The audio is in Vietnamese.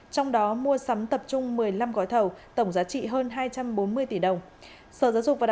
trong đó mua sắm tập trung một mươi năm gói thầu tổng giá trị hơn hai trăm bốn mươi tỷ đồng